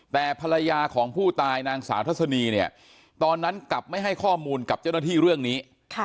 แต่ภรรยาของผู้ตายนางสาวทัศนีเนี่ยตอนนั้นกลับไม่ให้ข้อมูลกับเจ้าหน้าที่เรื่องนี้